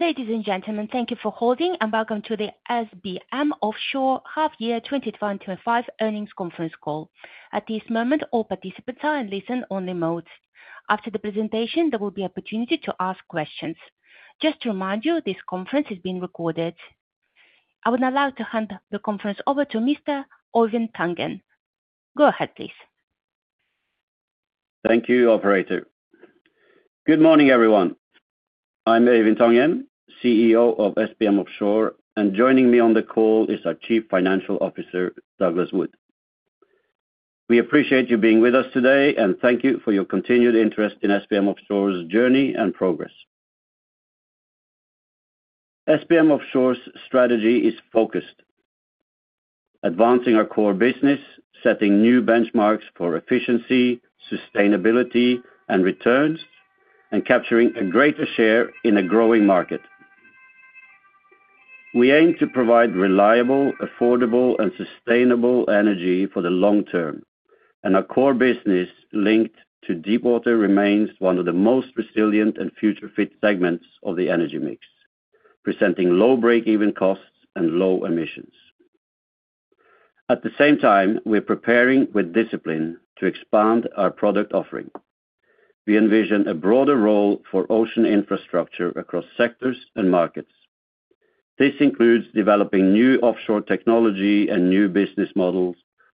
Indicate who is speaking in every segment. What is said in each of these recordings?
Speaker 1: Ladies and gentlemen, thank you for holding and welcome to the SBM Offshore Half-Year 2025 Earnings Conference Call. At this moment, all participants are in listen-only mode. After the presentation, there will be an opportunity to ask questions. Just to remind you, this conference is being recorded. I would now like to hand the conference over to Mr. Øivind Tangen. Go ahead, please.
Speaker 2: Thank you, operator. Good morning, everyone. I'm Øivind Tangen, CEO of SBM Offshore, and joining me on the call is our Chief Financial Officer, Douglas Wood. We appreciate you being with us today and thank you for your continued interest in SBM Offshore's journey and progress. SBM Offshore's strategy is focused on advancing our core business, setting new benchmarks for efficiency, sustainability, and returns, and capturing a greater share in a growing market. We aim to provide reliable, affordable, and sustainable energy for the long term, and our core business linked to deepwater remains one of the most resilient and future-fit segments of the energy mix, presenting low break-even costs and low emissions. At the same time, we're preparing with discipline to expand our product offering. We envision a broader role for ocean infrastructure across sectors and markets. This includes developing new offshore technology and new business models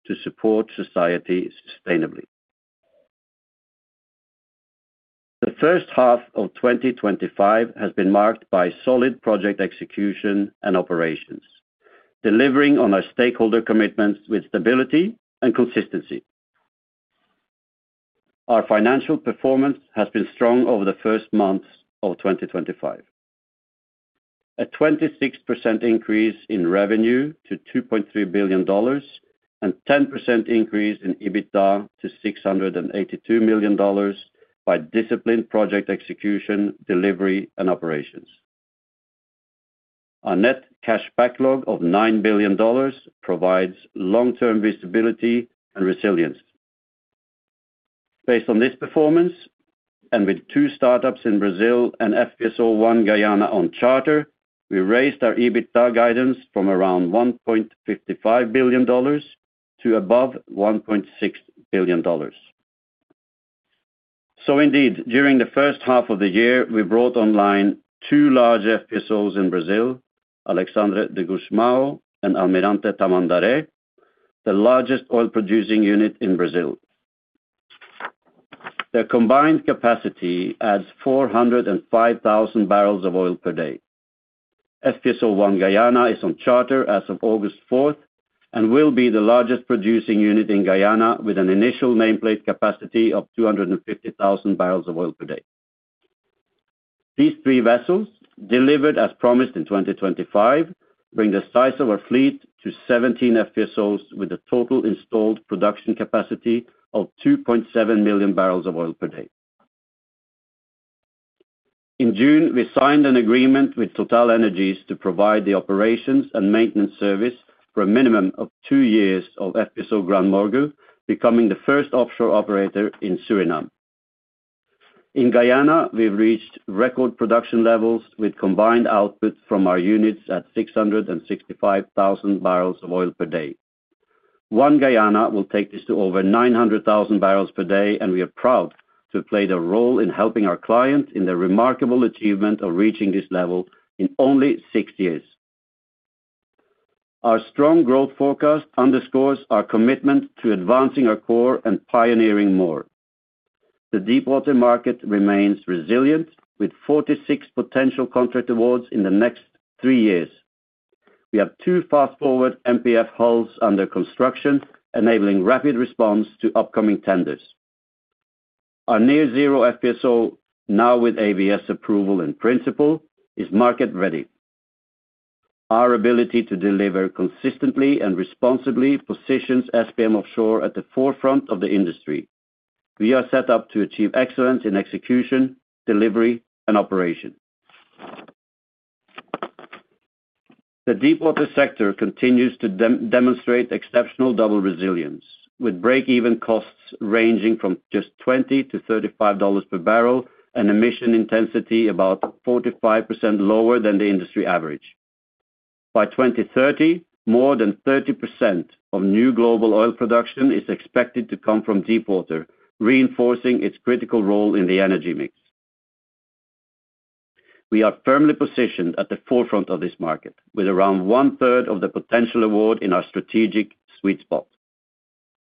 Speaker 2: to support society sustainably. The first half of 2025 has been marked by solid project execution and operations, delivering on our stakeholder commitments with stability and consistency. Our financial performance has been strong over the first months of 2025. A 26% increase in revenue to $2.3 billion and a 10% increase in EBITDA to $682 million by disciplined project execution, delivery, and operations. Our net cash backlog of $9 billion provides long-term visibility and resilience. Based on this performance and with two startups in Brazil and FPSO ONE GUYANA on charter, we raised our EBITDA guidance from around $1.55 billion to above $1.6 billion. During the first half of the year, we brought online two large FPSOs in Brazil, FPSO Alexandre de Gusmão and FPSO Almirante Tamandaré, the largest oil-producing unit in Brazil. Their combined capacity adds 405,000 bbl of oil per day. FPSO ONE GUYANA is on charter as of August 4th and will be the largest producing unit in Guyana with an initial nameplate capacity of 250,000 bbl of oil per day. These three vessels, delivered as promised in 2025, bring the size of our fleet to 17 FPSOs with a total installed production capacity of 2.7 million bbl of oil per day. In June, we signed an agreement with TotalEnergies to provide the operations and maintenance service for a minimum of two years of FPSO GranMorgu, becoming the first offshore operator in Suriname. In Guyana, we've reached record production levels with combined output from our units at 665,000 bbl of oil per day. ONE GUYANA will take this to over 900,000 bbl per day, and we are proud to have played a role in helping our client in the remarkable achievement of reaching this level in only six years. Our strong growth forecast underscores our commitment to advancing our core and pioneering more. The deepwater market remains resilient with 46 potential contract awards in the next three years. We have Two Fast4Ward MPF hulls under construction, enabling rapid response to upcoming tenders. Our near-zero FPSO, now with ABS approval in principle, is market-ready. Our ability to deliver consistently and responsibly positions SBM Offshore at the forefront of the industry. We are set up to achieve excellence in execution, delivery, and operation. The deepwater sector continues to demonstrate exceptional double resilience, with break-even costs ranging from just $20-$35 per bbl and emission intensity about 45% lower than the industry average. By 2030, more than 30% of new global oil production is expected to come from deepwater, reinforcing its critical role in the energy mix. We are firmly positioned at the forefront of this market, with around one-third of the potential award in our strategic sweet spot.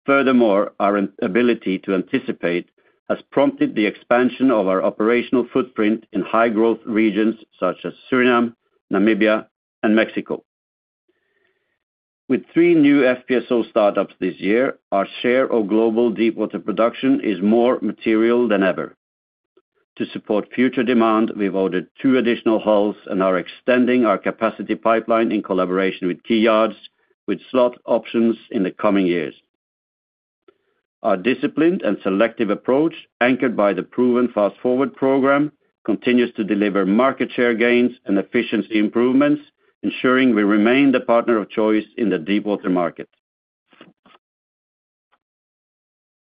Speaker 2: Furthermore, our ability to anticipate has prompted the expansion of our operational footprint in high-growth regions such as Suriname, Namibia, and Mexico. With three new FPSO startups this year, our share of global deepwater production is more material than ever. To support future demand, we've ordered two additional hulls and are extending our capacity pipeline in collaboration with Berhad, with slot options in the coming years. Our disciplined and selective approach, anchored by the proven Fast4Ward program, continues to deliver market share gains and efficiency improvements, ensuring we remain the partner of choice in the deepwater market.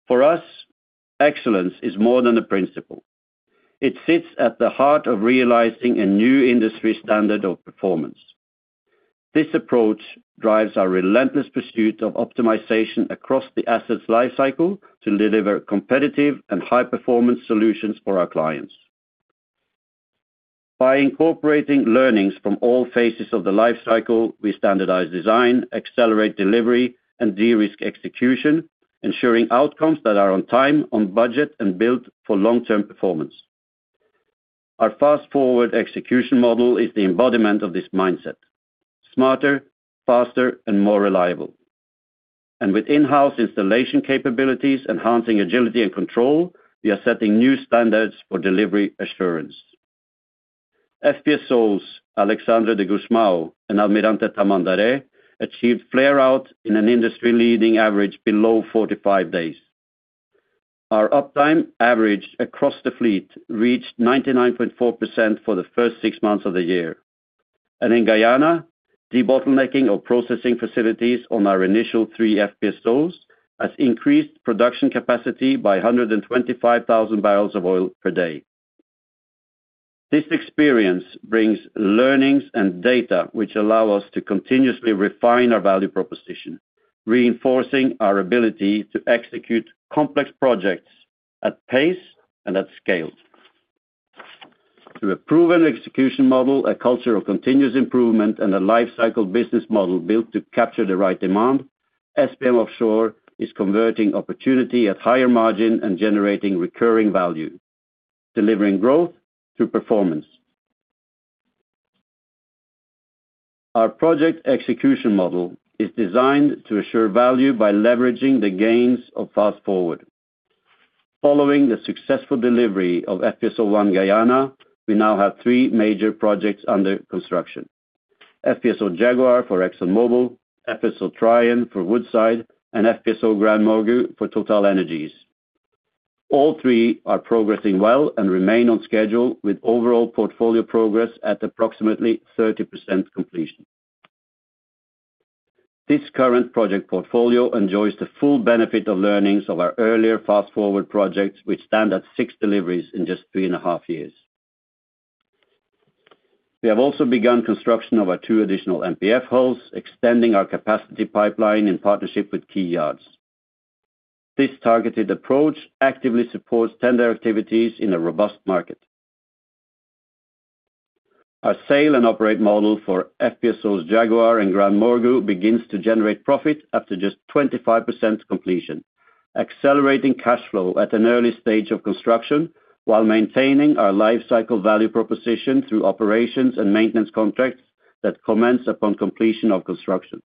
Speaker 2: For us, excellence is more than a principle. It sits at the heart of realizing a new industry standard of performance. This approach drives our relentless pursuit of optimization across the asset's lifecycle to deliver competitive and high-performance solutions for our clients. By incorporating learnings from all phases of the lifecycle, we standardize design, accelerate delivery, and de-risk execution, ensuring outcomes that are on time, on budget, and built for long-term performance. Our Fast4Ward execution model is the embodiment of this mindset: smarter, faster, and more reliable. With in-house installation capabilities enhancing agility and control, we are setting new standards for delivery assurance. FPSOs Alexandre de Gusmão and Almirante Tamandaré achieved flare-out in an industry-leading average below 45 days. Our uptime average across the fleet reached 99.4% for the first six months of the year. In Guyana, de-bottlenecking of processing facilities on our initial three FPSOs has increased production capacity by 125,000 bbl of oil per day. This experience brings learnings and data which allow us to continuously refine our value proposition, reinforcing our ability to execute complex projects at pace and at scale. Through a proven execution model, a culture of continuous improvement, and a lifecycle business model built to capture the right demand, SBM Offshore is converting opportunity at higher margin and generating recurring value, delivering growth through performance. Our project execution model is designed to assure value by leveraging the gains of Fast4Ward. Following the successful delivery of FPSO ONE GUYANA, we now have three major projects under construction: FPSO Jaguar for ExxonMobil, FPSO Trion for Woodside, and FPSO GranMorgu for TotalEnergies. All three are progressing well and remain on schedule, with overall portfolio progress at approximately 30% completion. This current project portfolio enjoys the full benefit of learnings of our earlier Fast4Ward projects, which stand at six deliveries in just three and a half years. We have also begun construction of our two additional MPF hulls, extending our capacity pipeline in partnership with Berhad. This targeted approach actively supports tender activities in a robust market. Our Sale and Operate model for FPSOs Jaguar and GranMorgu begins to generate profit after just 25% completion, accelerating cash flow at an early stage of construction while maintaining our lifecycle value proposition through operations and maintenance contracts that commence upon completion of construction.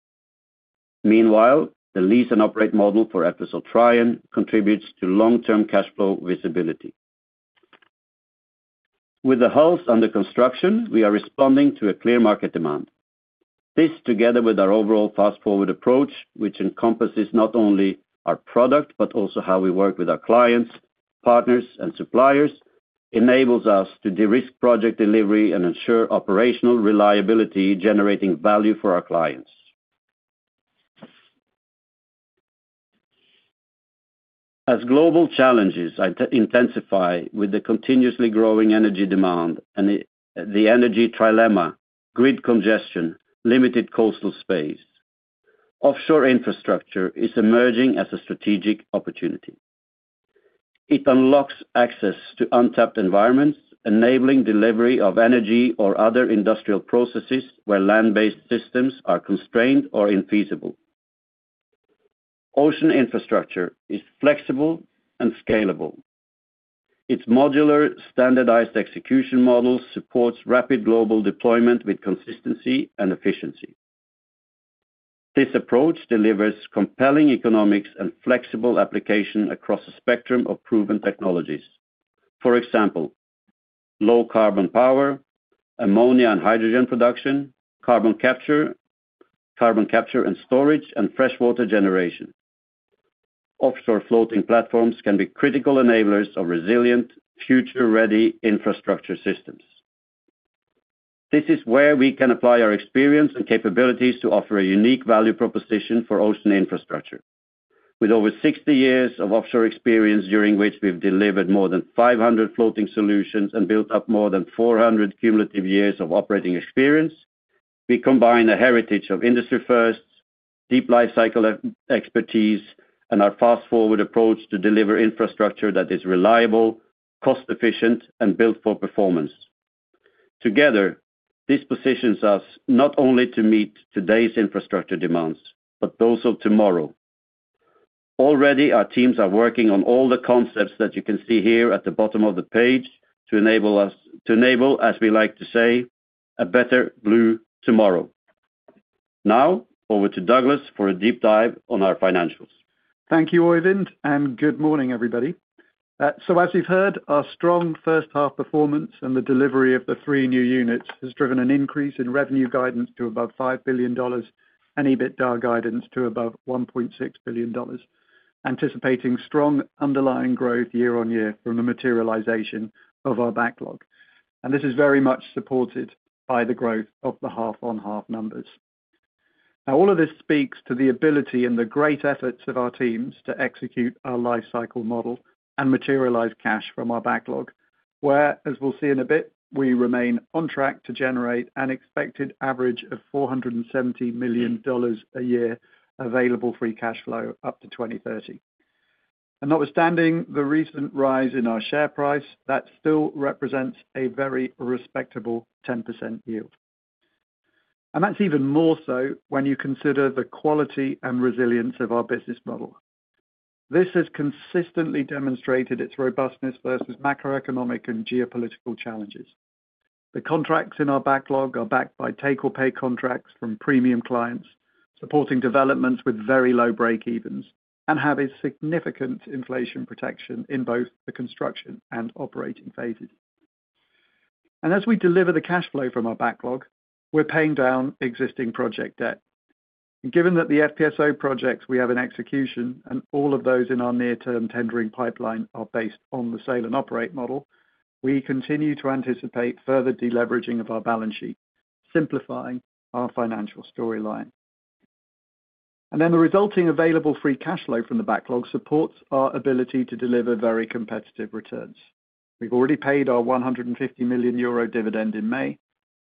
Speaker 2: Meanwhile, the Lease and Operate model for FPSO Trion contributes to long-term cash flow visibility. With the hulls under construction, we are responding to a clear market demand. This, together with our overall Fast4Ward approach, which encompasses not only our product but also how we work with our clients, partners, and suppliers, enables us to de-risk project delivery and ensure operational reliability, generating value for our clients. As global challenges intensify with the continuously growing energy demand and the energy trilemma: grid congestion, limited coastal space, offshore infrastructure is emerging as a strategic opportunity. It unlocks access to untapped environments, enabling delivery of energy or other industrial processes where land-based systems are constrained or infeasible. Ocean infrastructure is flexible and scalable. Its modular, standardized execution model supports rapid global deployment with consistency and efficiency. This approach delivers compelling economics and flexible application across a spectrum of proven technologies. For example, low carbon power, ammonia and hydrogen production, carbon capture, carbon capture and storage, and freshwater generation. Offshore floating platforms can be critical enablers of resilient, future-ready infrastructure systems. This is where we can apply our experience and capabilities to offer a unique value proposition for ocean infrastructure. With over 60 years of offshore experience, during which we've delivered more than 500 floating solutions and built up more than 400 cumulative years of operating experience, we combine a heritage of industry firsts, deep lifecycle expertise, and our Fast4Ward approach to deliver infrastructure that is reliable, cost-efficient, and built for performance. Together, this positions us not only to meet today's infrastructure demands, but those of tomorrow. Already, our teams are working on all the concepts that you can see here at the bottom of the page to enable us, to enable, as we like to say, a better blue tomorrow. Now, over to Douglas for a deep dive on our financials.
Speaker 3: Thank you, Øivind, and good morning, everybody. As you've heard, our strong first-half performance and the delivery of the three new units has driven an increase in revenue guidance to above $5 billion and EBITDA guidance to above $1.6 billion, anticipating strong underlying growth year-on-year from the materialization of our backlog. This is very much supported by the growth of the half-on-half numbers. All of this speaks to the ability and the great efforts of our teams to execute our lifecycle model and materialize cash from our backlog, where, as we'll see in a bit, we remain on track to generate an expected average of $470 million a year available free cash flow up to 2030. Notwithstanding the recent rise in our share price, that still represents a very respectable 10% yield. That's even more so when you consider the quality and resilience of our business model. This has consistently demonstrated its robustness versus macroeconomic and geopolitical challenges. The contracts in our backlog are backed by take-home pay contracts from premium clients, supporting developments with very low break-even costs and having significant inflation protection in both the construction and operating phases. As we deliver the cash flow from our backlog, we're paying down existing project debt. Given that the FPSO projects we have in execution and all of those in our near-term tendering pipeline are based on the Sale and Operate model, we continue to anticipate further deleveraging of our balance sheet, simplifying our financial storyline. The resulting available free cash flow from the backlog supports our ability to deliver very competitive returns. We've already paid our 150 million euro dividend in May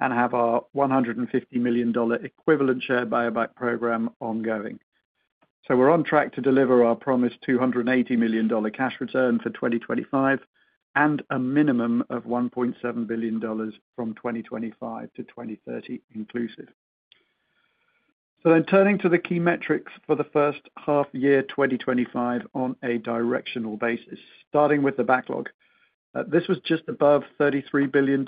Speaker 3: and have our $150 million equivalent share buyback program ongoing. We're on track to deliver our promised $280 million cash return for 2025 and a minimum of $1.7 billion from 2025-2030 inclusive. Turning to the key metrics for the first half-year 2025 on a directional basis, starting with the backlog, this was just above $33 billion,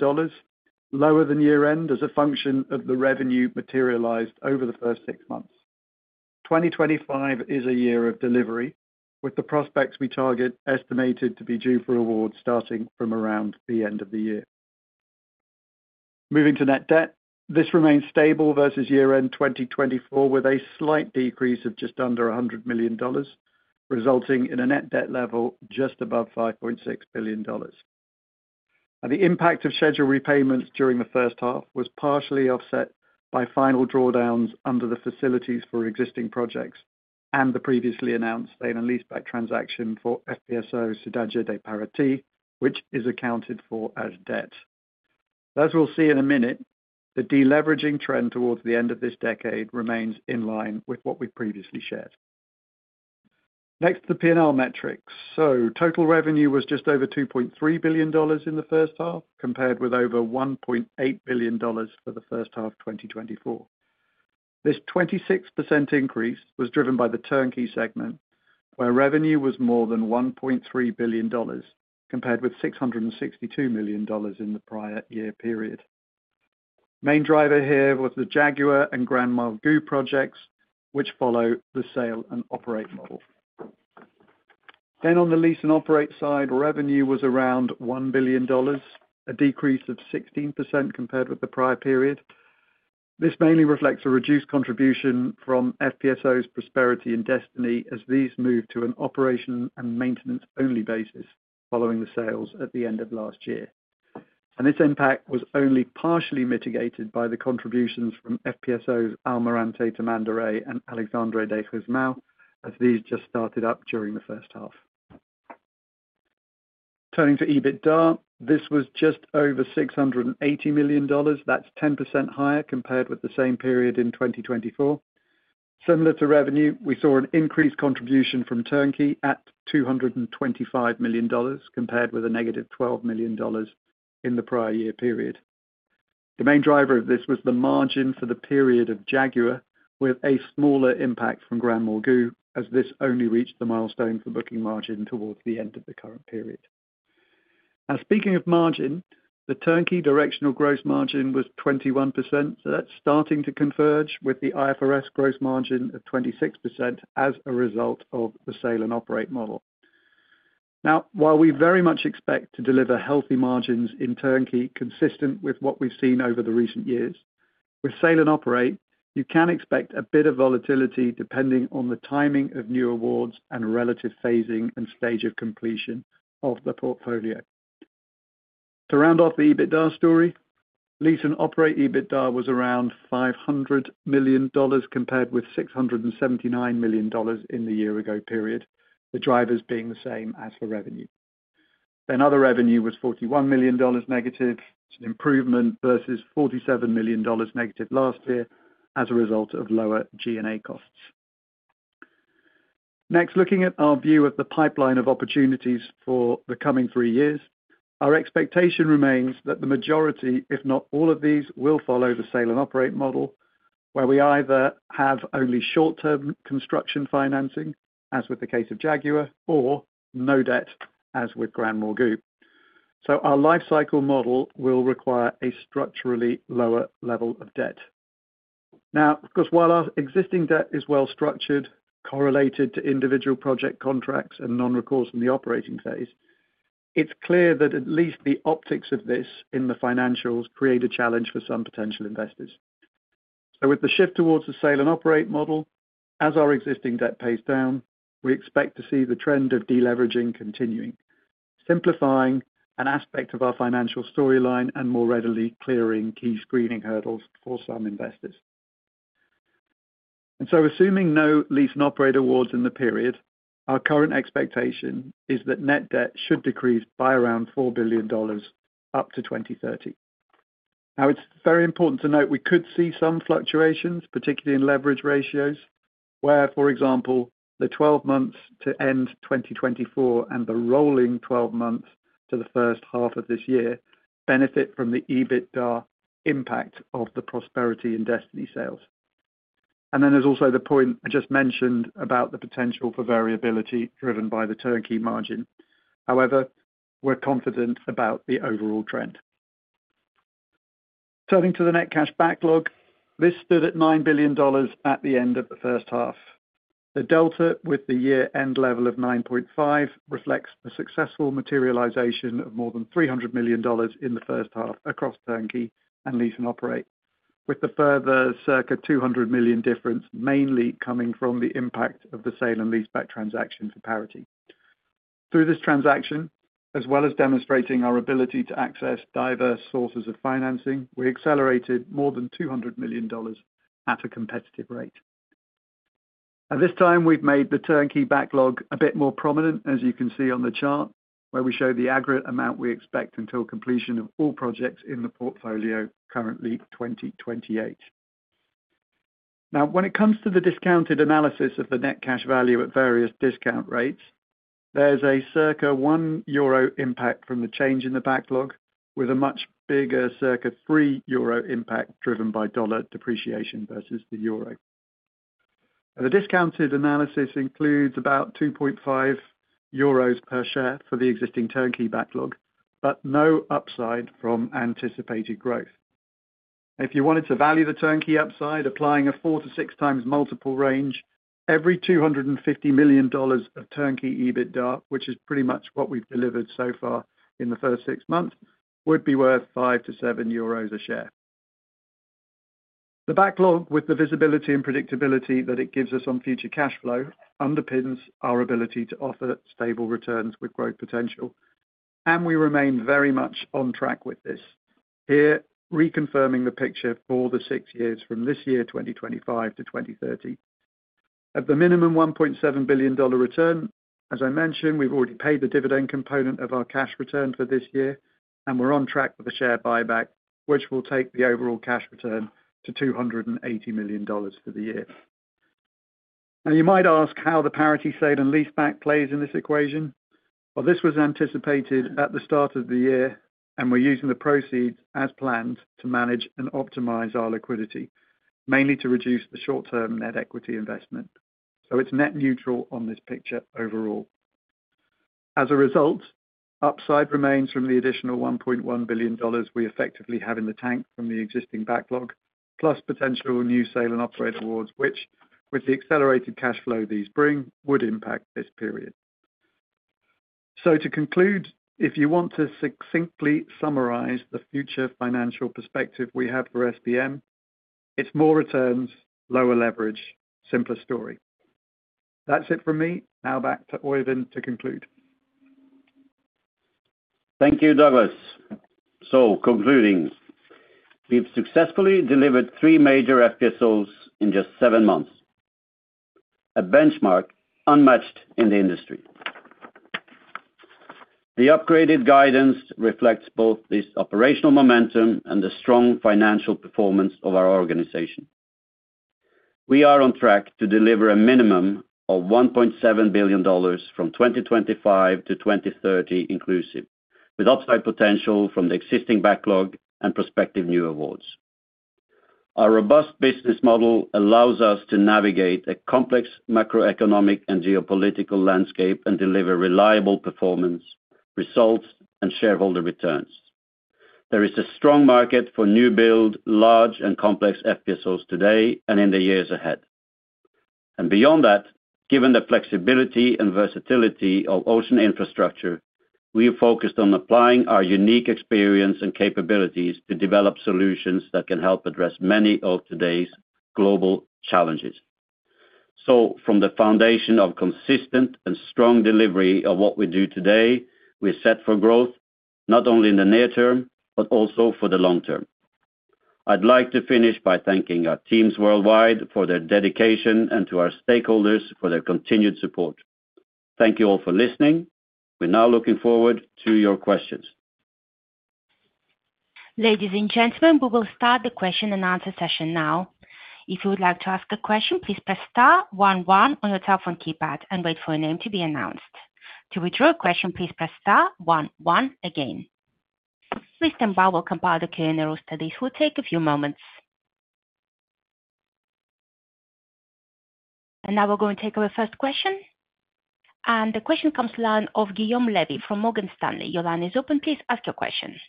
Speaker 3: lower than year-end as a function of the revenue materialized over the first six months. 2025 is a year of delivery, with the prospects we target estimated to be due for awards starting from around the end of the year. Moving to net debt, this remains stable versus year-end 2024, with a slight decrease of just under $100 million, resulting in a net debt level just above $5.6 billion. The impact of scheduled repayments during the first half was partially offset by final drawdowns under the facilities for existing projects and the previously announced sale and leaseback transaction for FPSO Cidade de Paraty, which is accounted for as debt. As we'll see in a minute, the deleveraging trend towards the end of this decade remains in line with what we've previously shared. Next, the P&L metrics. Total revenue was just over $2.3 billion in the first half, compared with over $1.8 billion for the first half 2023. This 26% increase was driven by the Turnkey segment, where revenue was more than $1.3 billion, compared with $662 million in the prior year period. The main driver here was the Jaguar and GranMorgu projects, which follow the Sale and Operate model. On the Lease and Operate side, revenue was around $1 billion, a decrease of 16% compared with the prior period. This mainly reflects a reduced contribution from FPSOs Prosperity and Destiny, as these moved to an operation and maintenance-only basis following the sales at the end of last year. Its impact was only partially mitigated by the contributions from FPSOs Almirante Tamandaré and Alexandre de Gusmão, as these just started up during the first half. Turning to EBITDA, this was just over $680 million, which is 10% higher compared with the same period in 2024. Similar to revenue, we saw an increased contribution from Turnkey at $225 million, compared with a -$12 million in the prior year period. The main driver of this was the margin for the period of Jaguar, with a smaller impact from GranMorgu, as this only reached the milestone for booking margin towards the end of the current period. Speaking of margin, the Turnkey directional gross margin was 21%, so that's starting to converge with the IFRS gross margin of 26% as a result of the Sale and Operate model. While we very much expect to deliver healthy margins in Turnkey, consistent with what we've seen over the recent years, with Sale and Operate, you can expect a bit of volatility depending on the timing of new awards and relative phasing and stage of completion of the portfolio. To round off the EBITDA story, Lease and Operate EBITDA was around $500 million, compared with $679 million in the year-ago period, the drivers being the same as for revenue. Other revenue was $41 million negative, which is an improvement versus $47 million negative last year as a result of lower G&A costs. Next, looking at our view of the pipeline of opportunities for the coming three years, our expectation remains that the majority, if not all, of these will follow the Sale and Operate model, where we either have only short-term construction financing, as with the case of Jaguar, or no debt, as with GranMorgu. Our lifecycle model will require a structurally lower level of debt. Of course, while our existing debt is well structured, correlated to individual project contracts and non-recalls from the operating phase, it's clear that at least the optics of this in the financials create a challenge for some potential investors. With the shift towards the Sale and Operate model, as our existing debt pays down, we expect to see the trend of deleveraging continuing, simplifying an aspect of our financial storyline and more readily clearing key screening hurdles for some investors. Assuming no Lease and Operate awards in the period, our current expectation is that net debt should decrease by around $4 billion up to 2030. It's very important to note we could see some fluctuations, particularly in leverage ratios, where, for example, the 12 months to end 2024 and the rolling 12 months to the first half of this year benefit from the EBITDA impact of the Prosperity and Destiny sales. There's also the point I just mentioned about the potential for variability driven by the Turnkey margin. However, we're confident about the overall trend. Turning to the net cash backlog, this stood at $9 billion at the end of the first half. The delta with the year-end level of $9.5 billion reflects a successful materialization of more than $300 million in the first half across Turnkey and Lease and Operate, with the further circa $200 million difference mainly coming from the impact of the sale and leaseback transaction for Paraty. Through this transaction, as well as demonstrating our ability to access diverse sources of financing, we accelerated more than $200 million at a competitive rate. At this time, we've made the Turnkey backlog a bit more prominent, as you can see on the chart, where we show the aggregate amount we expect until completion of all projects in the portfolio currently 2028. When it comes to the discounted analysis of the net cash value at various discount rates, there's a circa 1 euro impact from the change in the backlog, with a much bigger circa 3 euro impact driven by dollar depreciation versus the euro. The discounted analysis includes about 2.5 euros per share for the existing Turnkey backlog, but no upside from anticipated growth. If you wanted to value the Turnkey upside, applying a four-six times multiple range, every $250 million of Turnkey EBITDA, which is pretty much what we've delivered so far in the first six months, would be worth 5-7 euros a share. The backlog, with the visibility and predictability that it gives us on future cash flow, underpins our ability to offer stable returns with growth potential. We remain very much on track with this, here reconfirming the picture for the six years from this year, 2025-2030, at the minimum $1.7 billion return. As I mentioned, we've already paid the dividend component of our cash return for this year, and we're on track for the share buyback, which will take the overall cash return to $280 million for the year. You might ask how the Paraty sale and leaseback plays in this equation. This was anticipated at the start of the year, and we're using the proceeds as planned to manage and optimize our liquidity, mainly to reduce the short-term net equity investment. It is net neutral on this picture overall. As a result, upside remains from the additional $1.1 billion we effectively have in the tank from the existing backlog, plus potential new Sale and Operate awards, which, with the accelerated cash flow these bring, would impact this period. To conclude, if you want to succinctly summarize the future financial perspective we have for SBM Offshore, it's more returns, lower leverage, simpler story. That's it from me. Now back to Øivind to conclude.
Speaker 2: Thank you, Douglas. Concluding, we've successfully delivered three major FPSOs in just seven months, a benchmark unmatched in the industry. The upgraded guidance reflects both this operational momentum and the strong financial performance of our organization. We are on track to deliver a minimum of $1.7 billion from 2025-2030 inclusive, with upside potential from the existing backlog and prospective new awards. Our robust business model allows us to navigate a complex macroeconomic and geopolitical landscape and deliver reliable performance, results, and shareholder returns. There is a strong market for new build, large, and complex FPSOs today and in the years ahead. Beyond that, given the flexibility and versatility of ocean infrastructure, we've focused on applying our unique experience and capabilities to develop solutions that can help address many of today's global challenges. From the foundation of consistent and strong delivery of what we do today, we're set for growth, not only in the near term, but also for the long term. I'd like to finish by thanking our teams worldwide for their dedication and to our stakeholders for their continued support. Thank you all for listening. We're now looking forward to your questions.
Speaker 1: Ladies and gentlemen, we will start the question and answer session now. If you would like to ask a question, please press star one one on your telephone keypad and wait for your name to be announced. To withdraw a question, please press star one one again. Listening now, we will compile the Q&A roster, which will take a few moments. Now we're going to take our first question. The question comes from the line of Guilherme Levy from Morgan Stanley. Your line is open. Please ask your question.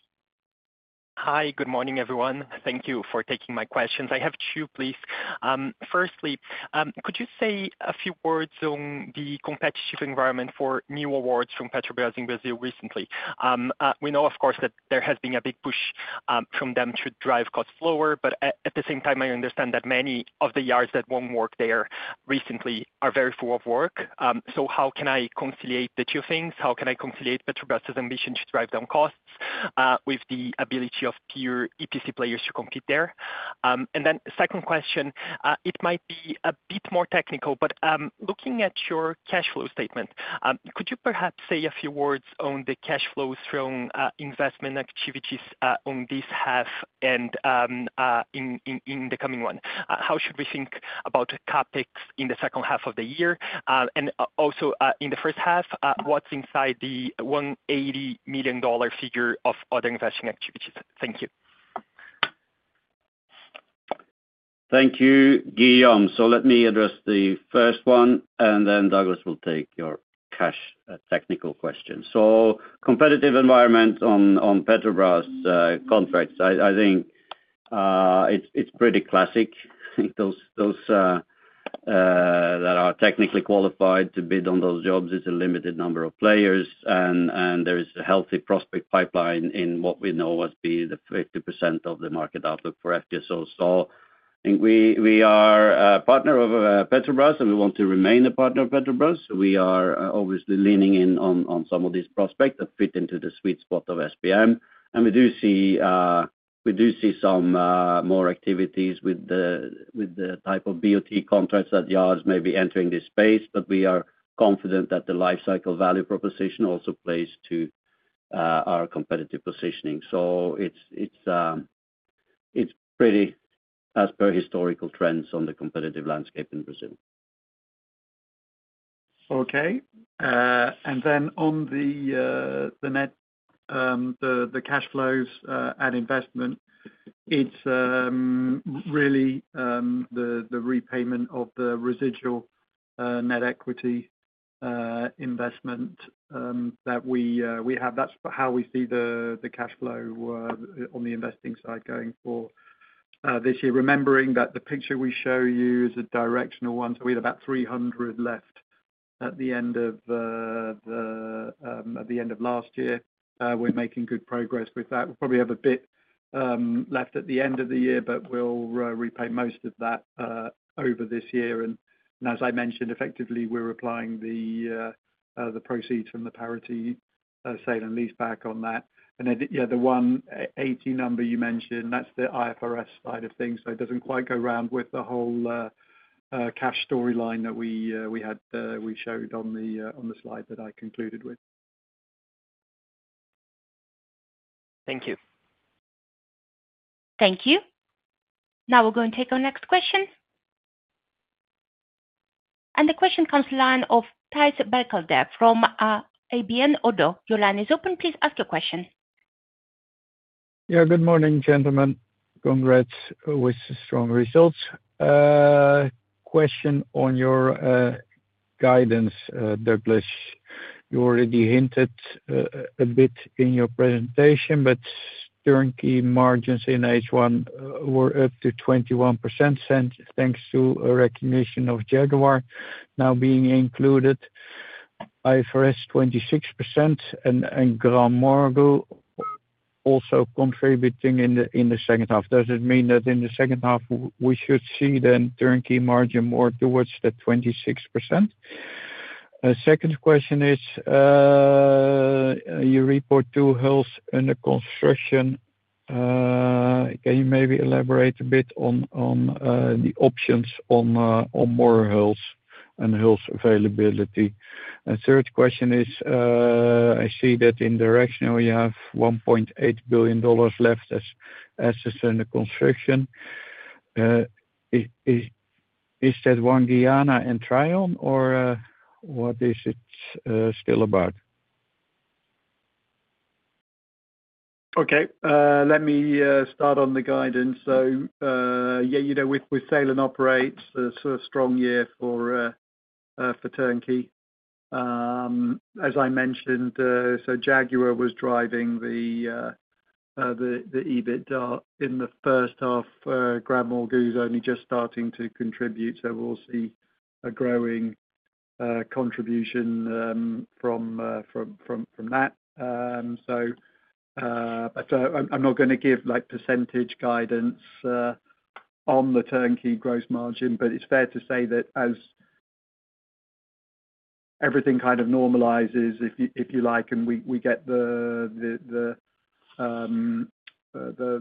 Speaker 4: Hi, good morning everyone. Thank you for taking my questions. I have two, please. Firstly, could you say a few words on the competitive environment for new awards from Petrobras in Brazil recently? We know, of course, that there has been a big push from them to drive costs lower, but at the same time, I understand that many of the yards that want to work there recently are very full of work. How can I conciliate the two things? How can I conciliate Petrobras' ambition to drive down costs with the ability of peer EPC players to compete there? The second question, it might be a bit more technical, but looking at your cash flow statement, could you perhaps say a few words on the cash flows from investment activities on this half and in the coming one? How should we think about CapEx in the second half of the year? Also, in the first half, what's inside the $180 million figure of other investing activities? Thank you.
Speaker 2: Thank you, Guilherme. Let me address the first one, and then Douglas will take your cash technical question. The competitive environment on Petrobras contracts is pretty classic. Those that are technically qualified to bid on those jobs, it's a limited number of players, and there is a healthy prospect pipeline in what we know as being the 50% of the market outlook for FPSOs. We are a partner of Petrobras, and we want to remain a partner of Petrobras. We are obviously leaning in on some of these prospects that fit into the sweet spot of SBM. We do see some more activities with the type of BOT contracts that Berhad may be entering this space, but we are confident that the lifecycle value proposition also plays to our competitive positioning. It's pretty, as per historical trends on the competitive landscape in Brazil.
Speaker 3: Okay. On the cash flows and investment, it's really the repayment of the residual net equity investment that we have. That's how we see the cash flow on the investing side going for this year, remembering that the picture we show you is a directional one. We had about 300 million left at the end of last year. We're making good progress with that. We'll probably have a bit left at the end of the year, but we'll repay most of that over this year. As I mentioned, effectively, we're applying the proceeds from the Paraty sale and leaseback on that. The $180 million number you mentioned, that's the IFRS side of things. It doesn't quite go round with the whole cash storyline that we showed on the slide that I concluded with.
Speaker 4: Thank you.
Speaker 1: Thank you. Now we're going to take our next question. The question comes to the line of Thijs Beekhuis from ABN ODDO. Your line is open. Please ask your question.
Speaker 5: Yeah, good morning, gentlemen. Congrats with strong results. Question on your guidance, Douglas. You already hinted a bit in your presentation, but Turnkey margins in H1 were up to 21%, thanks to a recognition of Jaguar now being included. IFRS 26% and GranMorgu also contributing in the second half. Does it mean that in the second half, we should see then Turnkey margin more towards the 26%? The second question is, you report two hulls in the construction. Can you maybe elaborate a bit on the options on more hulls and hulls availability? The third question is, I see that in directional, you have $1.8 billion left as assets in the construction. Is that ONE GUYANA and Trion, or what is it still about?
Speaker 3: Okay. Let me start on the guidance. Yeah, you know with Sale and Operate, a strong year for Turnkey. As I mentioned, Jaguar was driving the EBITDA in the first half. GranMorgu is only just starting to contribute. We'll see a growing contribution from that. I'm not going to give like percentage guidance on the Turnkey gross margin, but it's fair to say that as everything kind of normalizes, if you like, and we get the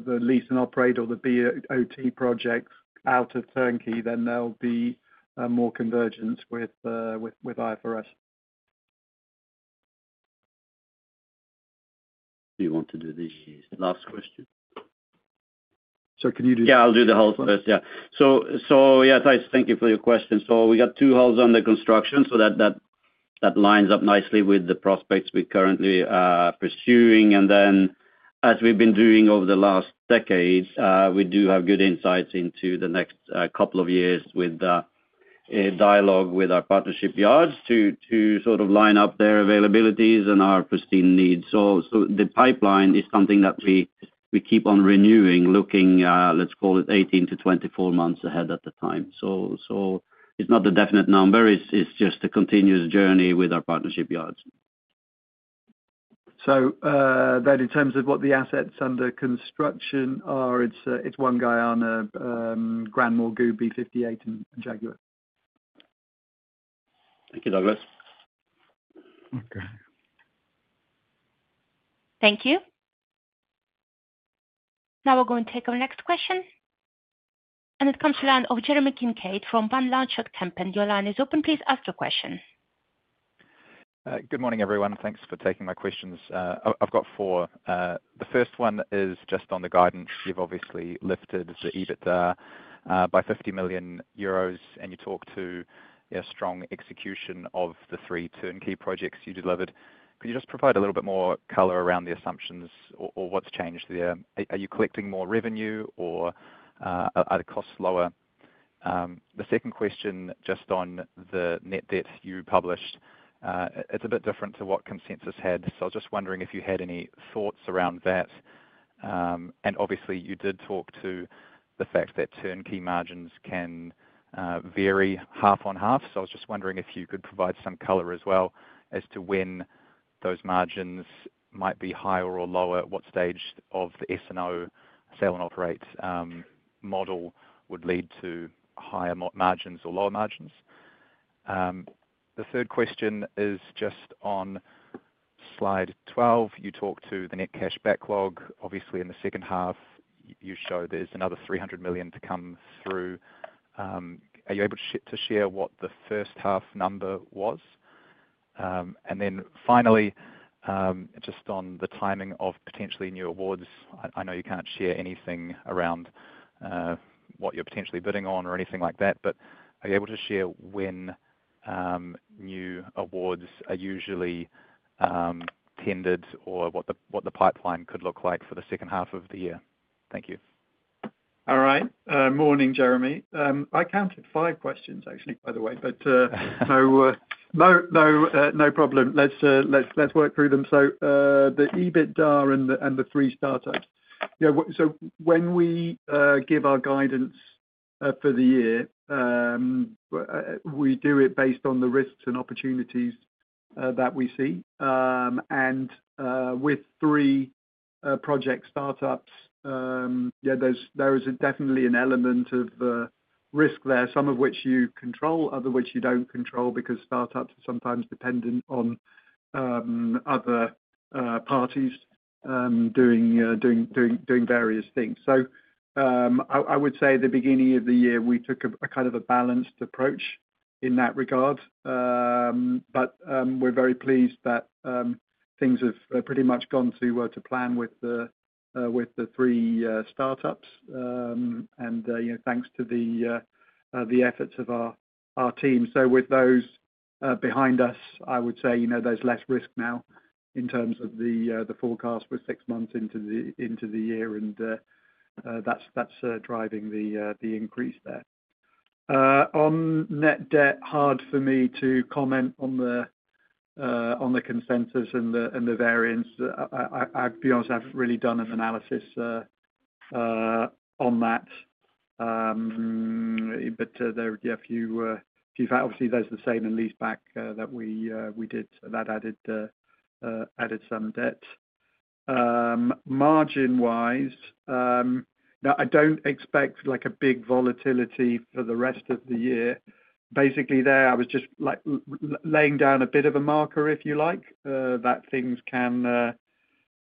Speaker 3: Lease and Operate or the BOT project out of Turnkey, there'll be more convergence with IFRS?
Speaker 5: Do you want to do this? It's the last question. Can you do this?
Speaker 2: Yeah, I'll do the hulls first. Yeah. Thys, thank you for your question. We got two hulls under construction. That lines up nicely with the prospects we currently are pursuing. As we've been doing over the last decade, we do have good insights into the next couple of years with a dialogue with our partnership yards to sort of line up their availabilities and our pristine needs. The pipeline is something that we keep on renewing, looking, let's call it 18-24 months ahead at the time. It's not the definite number. It's just a continuous journey with our partnership yards.
Speaker 3: In terms of what the assets under construction are, it's ONE GUYANA, GranMorgu, B58, and Jaguar.
Speaker 5: Thank you, Douglas.
Speaker 3: Okay.
Speaker 1: Thank you. Now we're going to take our next question. It comes to the line of Jeremy Kincaid from Van Lanschot Kempen. Your line is open. Please ask your question.
Speaker 6: Good morning, everyone. Thanks for taking my questions. I've got four. The first one is just on the guidance. You've obviously lifted the EBITDA by 50 million euros, and you talked to a strong execution of the three Turnkey projects you delivered. Could you just provide a little bit more color around the assumptions or what's changed there? Are you collecting more revenue or are the costs lower? The second question, just on the net debt you published, it's a bit different to what consensus had. I was just wondering if you had any thoughts around that. You did talk to the fact that Turnkey margins can vary half on half. I was just wondering if you could provide some color as well as to when those margins might be higher or lower, at what stage of the S&O Sale and Operate model would lead to higher margins or lower margins? The third question is just on slide 12. You talked to the net cash backlog. In the second half, you show there's another $300 million to come through. Are you able to share what the first half number was? Finally, just on the timing of potentially new awards, I know you can't share anything around what you're potentially bidding on or anything like that, but are you able to share when new awards are usually tendered or what the pipeline could look like for the second half of the year? Thank you.
Speaker 3: All right. Morning, Jeremy. I counted five questions, actually, by the way, but no, no problem. Let's work through them. The EBITDA and the three startups, yeah, when we give our guidance for the year, we do it based on the risks and opportunities that we see. With three project startups, yeah, there is definitely an element of the risk there, some of which you control, others which you don't control because startups are sometimes dependent on other parties doing various things. I would say at the beginning of the year, we took a kind of a balanced approach in that regard. We're very pleased that things have pretty much gone to plan with the three startups, and thanks to the efforts of our team. With those behind us, I would say there's less risk now in terms of the forecast for six months into the year, and that's driving the increase there. On net debt, hard for me to comment on the consensus and the variance. I'd be honest, I haven't really done an analysis on that. There are a few, obviously, there's the sale and leaseback that we did that added some debt. Margin-wise, I don't expect like a big volatility for the rest of the year. Basically, there, I was just like laying down a bit of a marker, if you like, that things can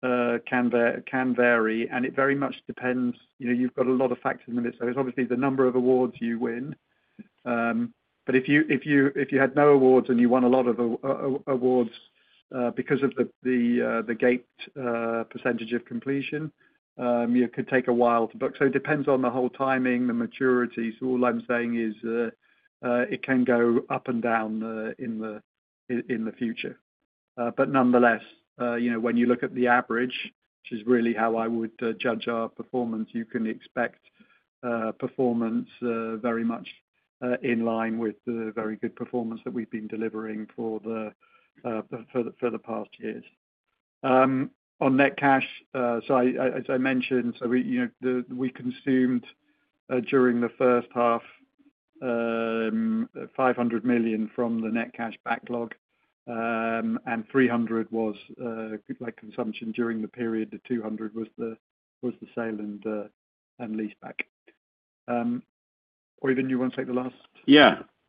Speaker 3: vary. It very much depends. You've got a lot of factors in this. It's obviously the number of awards you win. If you had no awards and you won a lot of awards because of the gate percentage of completion, it could take a while to book. It depends on the whole timing, the maturity. All I'm saying is it can go up and down in the future. Nonetheless, you know when you look at the average, this is really how I would judge our performance. You can expect performance very much in line with the very good performance that we've been delivering for the past years. On net cash, as I mentioned, we consumed during the first half $500 million from the net cash backlog, and $300 million was like consumption during the period. The $200 million was the sale and leaseback. Øivind, you want to take the last?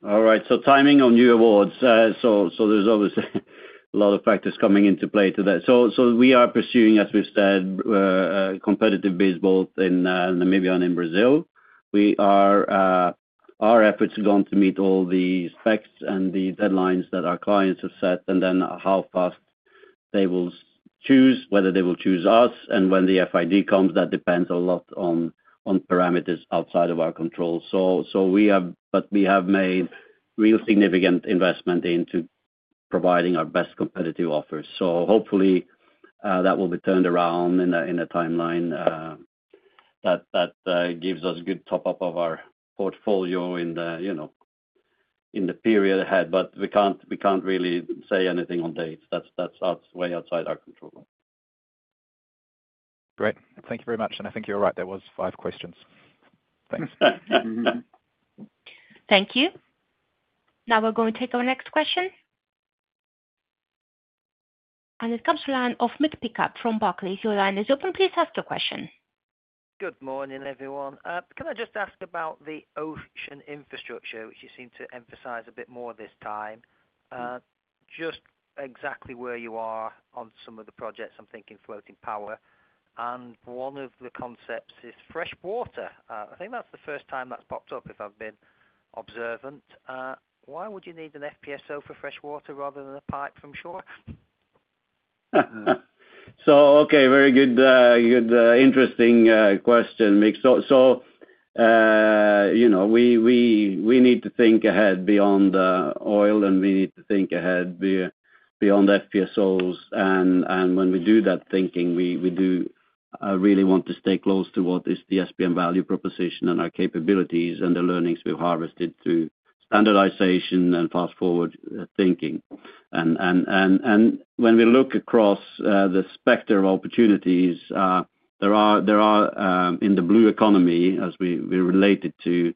Speaker 2: All right. Timing on new awards, there's obviously a lot of factors coming into play to that. We are pursuing, as we've said, competitive baseball in Namibia and in Brazil. Our efforts have gone to meet all the specs and the deadlines that our clients have set. How fast they will choose, whether they will choose us, and when the FID comes, that depends a lot on parameters outside of our control. We have made real significant investment into providing our best competitive offers. Hopefully, that will be turned around in a timeline that gives us a good top-up of our portfolio in the period ahead. We can't really say anything on dates. That's way outside our control.
Speaker 6: Great. Thank you very much. I think you're right. There were five questions. Thanks.
Speaker 1: Thank you. Now we're going to take our next question. It comes to the line of Mick Pickup from Barclays. Your line is open. Please ask your question.
Speaker 7: Good morning, everyone. Can I just ask about the ocean infrastructure, which you seem to emphasize a bit more this time? Just exactly where you are on some of the projects, I'm thinking floating power. One of the concepts is freshwater. I think that's the first time that's popped up if I've been observant. Why would you need an FPSO for freshwater rather than a pipe from shore?
Speaker 2: Very good, interesting question, Mick. We need to think ahead beyond oil, and we need to think ahead beyond FPSOs. When we do that thinking, we really want to stay close to what is the SBM value proposition and our capabilities and the learnings we've harvested through standardization and fast-forward thinking. When we look across the specter of opportunities, there are, in the blue economy, as we relate it to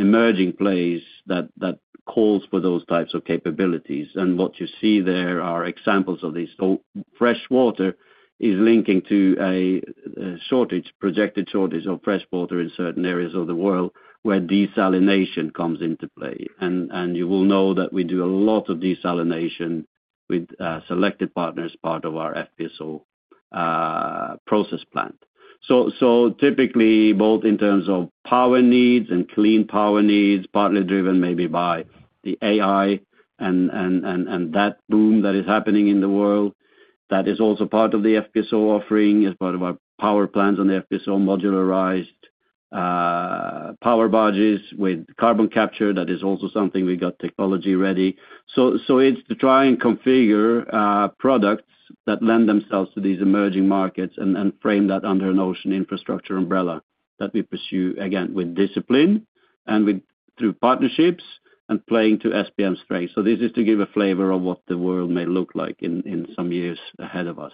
Speaker 2: emerging plays that call for those types of capabilities. What you see there are examples of this. Freshwater is linking to a projected shortage of freshwater in certain areas of the world where desalination comes into play. You will know that we do a lot of desalination with selected partners as part of our FPSO process plan. Typically, both in terms of power needs and clean power needs, partly driven maybe by the AI and that boom that is happening in the world, that is also part of the FPSO offering as part of our power plans on the FPSO, modularized power barges with carbon capture. That is also something we got technology ready. It's to try and configure products that lend themselves to these emerging markets and frame that under an ocean infrastructure umbrella that we pursue, again, with discipline and through partnerships and playing to SBM's strength. This is to give a flavor of what the world may look like in some years ahead of us,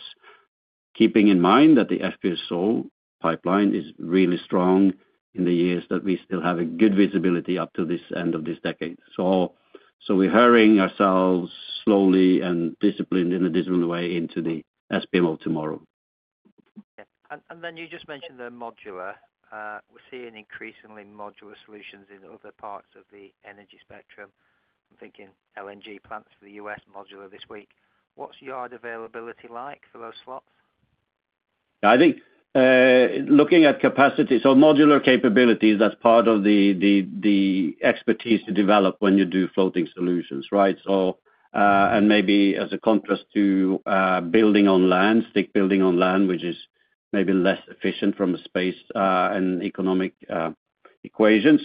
Speaker 2: keeping in mind that the FPSO pipeline is really strong in the years that we still have good visibility up to the end of this decade. We're hurrying ourselves slowly and in a disciplined way into the SBM of tomorrow.
Speaker 7: Okay. You just mentioned the modular. We're seeing increasingly modular solutions in other parts of the energy spectrum. I'm thinking LNG plants for the U.S. modular this week. What's yard availability like on those slot?
Speaker 2: Yeah, I think looking at capacity. Modular capabilities, that's part of the expertise to develop when you do floating solutions, right? Maybe as a contrast to building on land, stick building on land, which is maybe less efficient from a space and economic equation.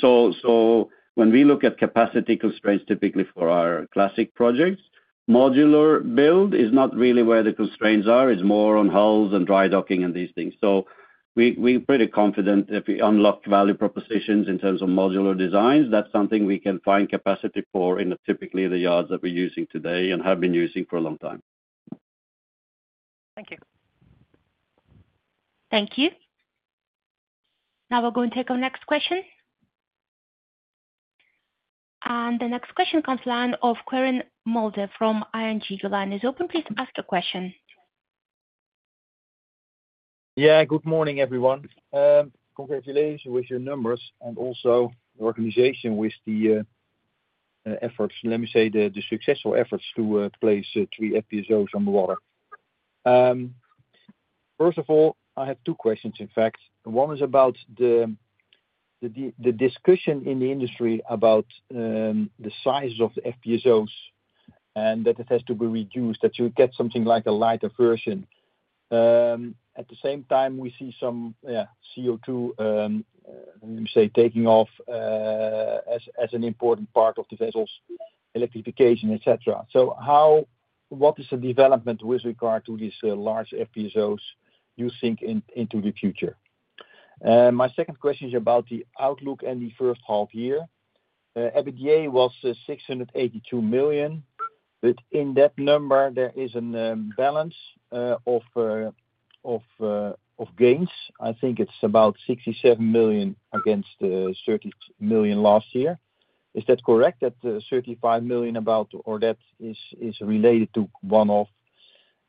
Speaker 2: When we look at capacity constraints, typically for our classic projects, modular build is not really where the constraints are. It's more on hulls and dry docking and these things. We're pretty confident if we unlock value propositions in terms of modular designs, that's something we can find capacity for in typically the yards that we're using today and have been using for a long time.
Speaker 7: Thank you.
Speaker 1: Thank you. Now we're going to take our next question. The next question comes to the line of Quirijn Mulder from ING. Your line is open. Please ask your question.
Speaker 8: Good morning, everyone. Congratulations with your numbers and also the organization with the efforts. Let me say the successful efforts to place three FPSOs on the water. First of all, I have two questions, in fact. One is about the discussion in the industry about the sizes of the FPSOs and that it has to be reduced, that you get something like a lighter version. At the same time, we see some CO2, let me say, taking off as an important part of the vessels, electrification, etc. How, what is the development with regard to these large FPSOs you think into the future? My second question is about the outlook and the first half year. EBITDA was $682 million. In that number, there is a balance of gains. I think it's about $67 million against the $30 million last year. Is that correct, that $35 million about, or that is related to one-off?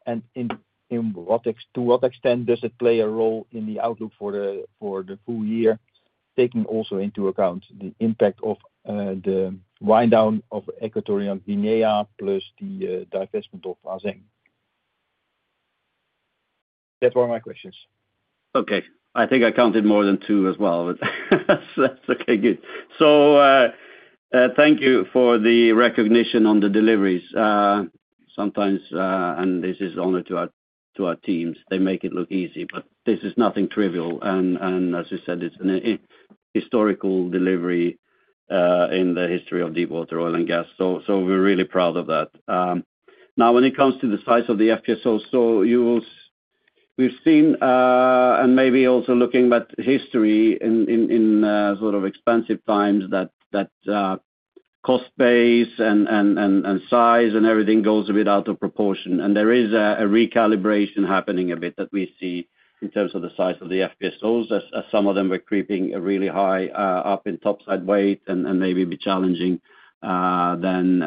Speaker 8: To what extent does it play a role in the outlook for the full year, taking also into account the impact of the wind-down of Equatorial Guinea plus the divestment of ASEAN? That were my questions.
Speaker 2: Okay. I think I counted more than two as well, but that's okay. Good. Thank you for the recognition on the deliveries. Sometimes, and this is an honor to our teams, they make it look easy, but this is nothing trivial. As we said, it's a historical delivery in the history of deepwater oil and gas. We're really proud of that. Now, when it comes to the size of the FPSOs, you will, we've seen, and maybe also looking at history in sort of expansive times, that cost base and size and everything goes a bit out of proportion. There is a recalibration happening a bit that we see in terms of the size of the FPSOs, as some of them are creeping really high up in top-side weight and maybe be challenging then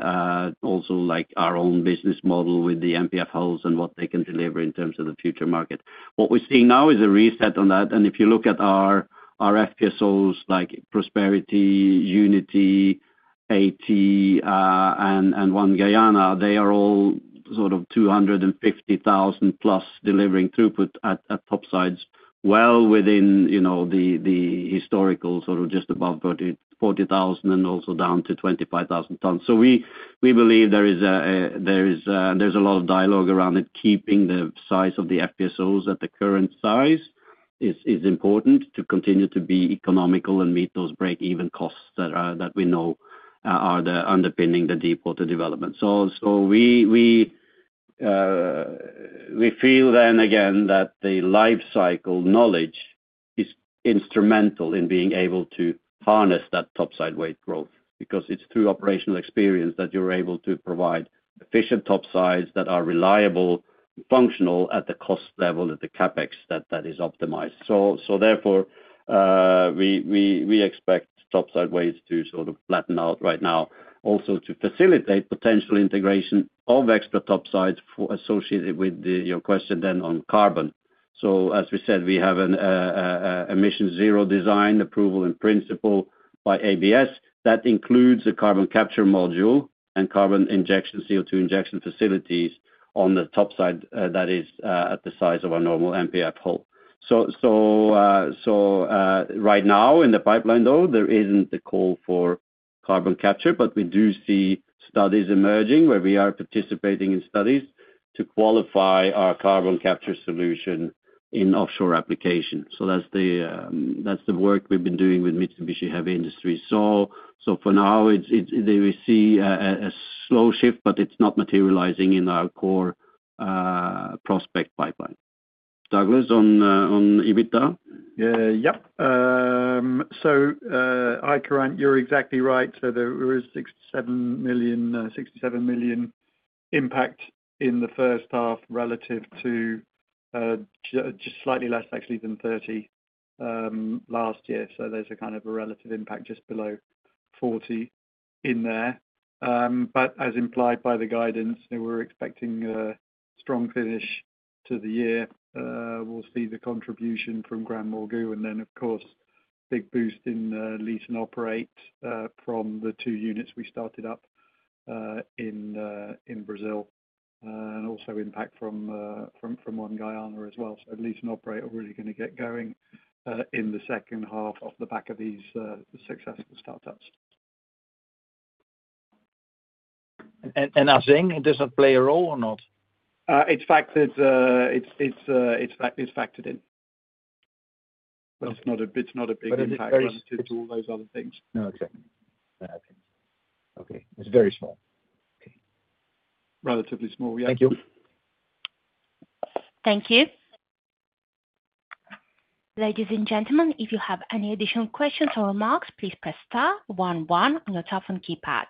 Speaker 2: also like our own business model with the MPF hulls and what they can deliver in terms of the future market. What we're seeing now is a reset on that. If you look at our FPSOs like Prosperity, Unity, AT, and ONE GUYANA, they are all sort of 250,000+ delivering throughput at top size, well within the historical sort of just above 40,000 and also down to 25,000 tons. We believe there is a lot of dialogue around it, keeping the size of the FPSOs at the current size is important to continue to be economical and meet those break-even costs that we know are underpinning the deepwater development. We feel then, again, that the lifecycle knowledge is instrumental in being able to harness that top-side weight growth because it's through operational experience that you're able to provide efficient top sides that are reliable and functional at the cost level of the CapEx that is optimized. Therefore, we expect top-side weights to sort of flatten out right now, also to facilitate potential integration of extra top sides associated with your question then on carbon. As we said, we have an emission zero design approval in principle by ABS that includes a carbon capture module and carbon injection, CO2 injection facilities on the top side that is at the size of a normal MPF hull. Right now, in the pipeline, though, there isn't a call for carbon capture, but we do see studies emerging where we are participating in studies to qualify our carbon capture solution in offshore application. That's the work we've been doing with Mitsubishi Heavy Industries. For now, we see a slow shift, but it's not materializing in our core prospect pipeline. Douglas, on EBITDA?
Speaker 3: Yeah. Quirijn, you're exactly right. There is a $67 million impact in the first half relative to just slightly less, actually, than $30 million last year. There's a kind of a relative impact just below $40 million in there. As implied by the guidance, we're expecting a strong finish to the year. We'll see the contribution from GranMorgu and, of course, a big boost in Lease and Operate from the two units we started up in Brazil and also impact from ONE GUYANA as well. Lease and operate are really going to get going in the second half off the back of these successful startups.
Speaker 8: Does Aseng play a role or not?
Speaker 3: It's factored in. It's not a big impact relative to all those other things. No, exactly. Okay, it's very small. Okay. Relatively small, yeah. Thank you.
Speaker 1: Thank you. Ladies and gentlemen, if you have any additional questions or remarks, please press star one one on your telephone keypad.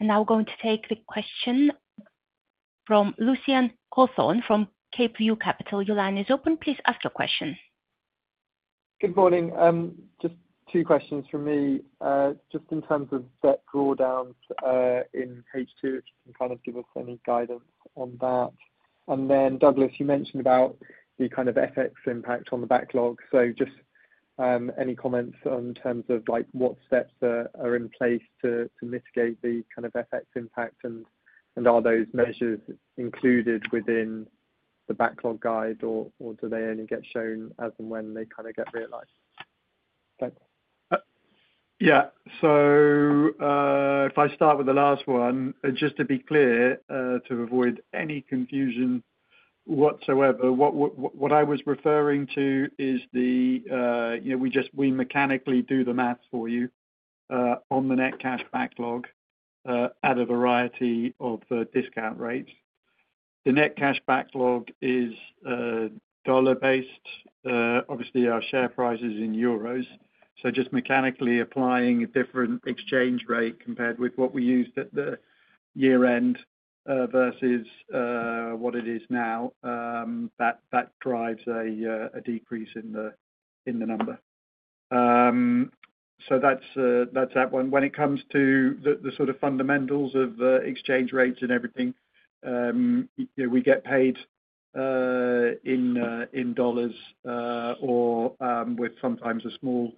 Speaker 1: Now we're going to take the question from Lucian Cawthron from CapeView Capital. Your line is open. Please ask your question.
Speaker 9: Good morning. Just two questions from me. Just in terms of debt drawdowns in H2, if you can kind of give us any guidance on that. Douglas, you mentioned about the kind of FX impact on the backlog. Just any comments in terms of what steps are in place to mitigate the kind of FX impact, and are those measures included within the backlog guide, or do they only get shown as and when they kind of get realized? Thanks.
Speaker 3: If I start with the last one, just to be clear, to avoid any confusion whatsoever, what I was referring to is the, you know, we just mechanically do the math for you on the net cash backlog at a variety of discount rates. The net cash backlog is dollar-based. Obviously, our share price is in euros. Just mechanically applying a different exchange rate compared with what we used at the year-end versus what it is now, that drives a decrease in the number. That's that one. When it comes to the fundamentals of exchange rates and everything, we get paid in dollars or with sometimes a small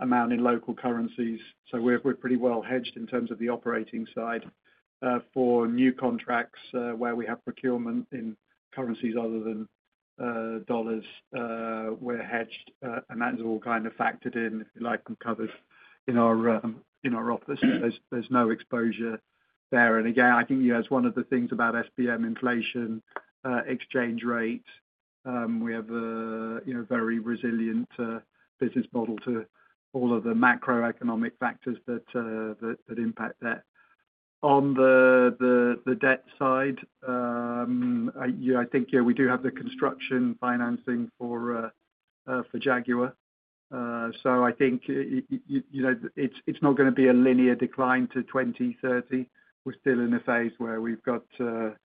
Speaker 3: amount in local currencies. We're pretty well hedged in terms of the operating side. For new contracts where we have procurement in currencies other than dollars, we're hedged, and that is all factored in, if you like, and covered in our office. There's no exposure there. I think that's one of the things about SBM inflation exchange rates. We have a very resilient business model to all of the macroeconomic factors that impact that. On the debt side, I think we do have the construction financing for Jaguar. I think it's not going to be a linear decline to 2030. We're still in a phase where we've got some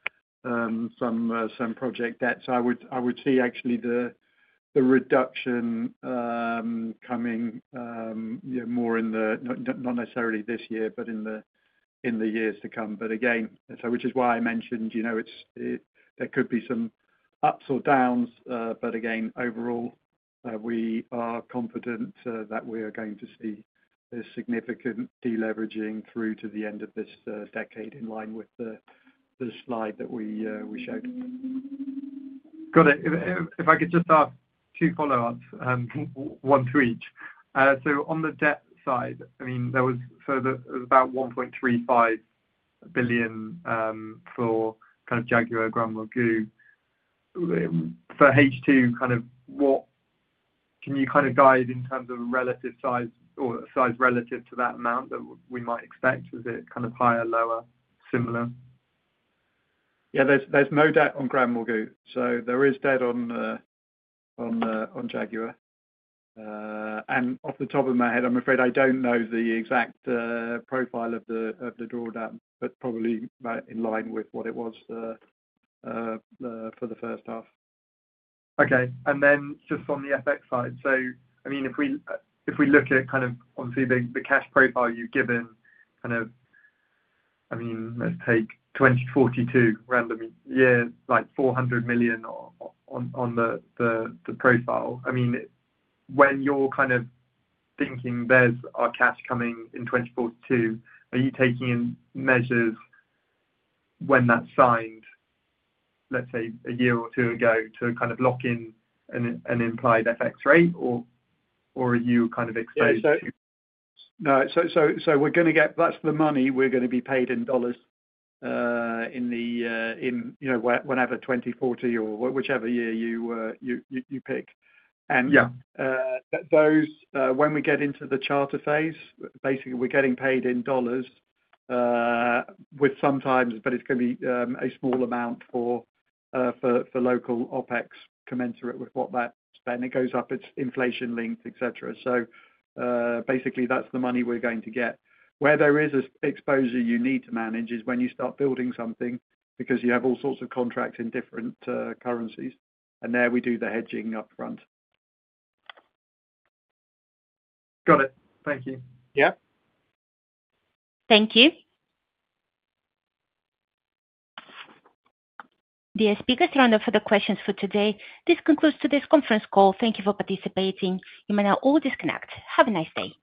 Speaker 3: project debts. I would see the reduction coming more in the, not necessarily this year, but in the years to come. Again, which is why I mentioned there could be some ups or downs. Again, overall, we are confident that we are going to see a significant deleveraging through to the end of this decade in line with the slide that we showed.
Speaker 9: Got it. If I could just add two follow-ups, one to each. On the debt side, I mean, there was about $1.35 billion for kind of Jaguar, GranMorgu. For H2, what can you guide in terms of relative size or size relative to that amount that we might expect? Is it higher, lower, similar?
Speaker 3: There's no debt on GranMorgu. There is debt on Jaguar. Off the top of my head, I'm afraid I don't know the exact profile of the drawdown, but probably in line with what it was for the first half.
Speaker 9: Okay. Just on the FX side, if we look at, obviously, the cash profile you've given, let's take 2042, random year, like $400 million on the profile. When you're thinking there's our cash coming in 2042, are you taking in measures when that's signed, let's say, a year or two ago to lock in an implied FX rate, or are you exposed to?
Speaker 3: No. We're going to get that's the money we're going to be paid in dollars in the, you know, whatever, 2040 or whichever year you pick. When we get into the charter phase, basically, we're getting paid in dollars with sometimes, but it's going to be a small amount for local OpEx commensurate with what that spend. It goes up. It's inflation linked, etc. Basically, that's the money we're going to get. Where there is exposure you need to manage is when you start building something because you have all sorts of contracts in different currencies. There we do the hedging upfront.
Speaker 9: Got it. Thank you.
Speaker 3: Yeah.
Speaker 1: Thank you. The speaker is running off for the questions for today. This concludes today's conference call. Thank you for participating. You may now all disconnect. Have a nice day.